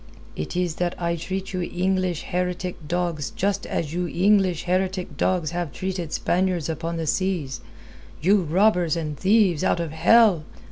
"It is that I treat you English heretic dogs just as you English heretic dogs have treated Spaniards upon the seas you robbers and thieves out of hell!